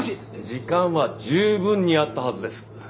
時間は十分にあったはずです。